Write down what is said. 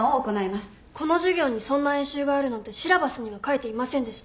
この授業にそんな演習があるなんてシラバスには書いていませんでした。